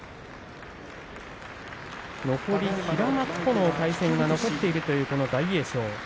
残り平幕との対戦が残っているという大栄翔。